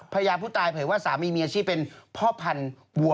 ภรรยาผู้ตายเผยว่าสามีมีอาชีพเป็นพ่อพันธุ์วัว